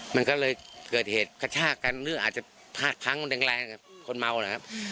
มันก็เลยเกิดเหตุกระชากันหรืออาจจะพลาดพังแรงกับคนเมานะครับ